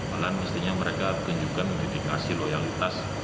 malah mestinya mereka juga memiliki asil loyalitas